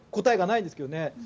答えがないんですけどね。